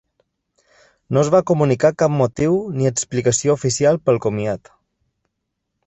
No es va comunicar cap motiu ni explicació oficial per al comiat.